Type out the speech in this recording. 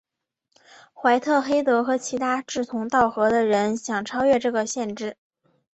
怀特黑德和其他志同道合的人想超越这个限制。